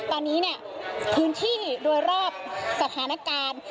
ตอนนี้เนี่ยพื้นที่โดยรอบสถานการณ์